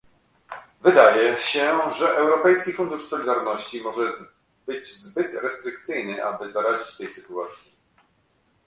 Wydaje się, że Europejski Fundusz Solidarności może być zbyt restrykcyjny, aby zaradzić tej sytuacji